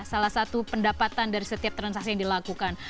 salah satu pendapatan dari setiap transaksi yang dilakukan